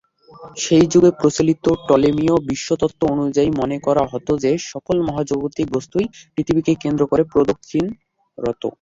সেই যুগে প্রচলিত টলেমীয় বিশ্বতত্ত্ব অনুযায়ী মনে করা হত যে, সকল মহাজাগতিক বস্তুই পৃথিবীকে কেন্দ্র করে প্রদক্ষিণ রত।